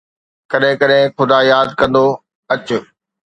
ڪڏھن ڪڏھن خدا ياد ڪندو اڄ